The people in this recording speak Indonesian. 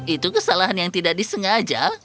itu kesalahan yang tidak disengaja